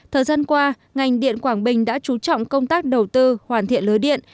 thời gian qua ngành điện quảng bình đã trú trọng công tác đầu tư hoàn thiện lứa điện